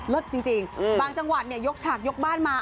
เลิศจริงบางจังหวัดยกฉากยกบ้านมา